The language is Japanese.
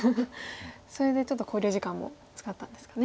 それでちょっと考慮時間も使ったんですかね。